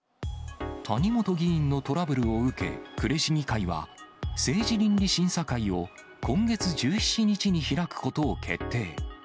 谷本議員のトラブルを受け、呉市議会は、政治倫理審査会を今月１７日に開くことを決定。